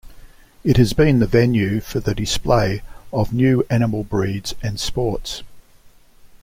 It has been the venue for the display of new animal breeds and sports.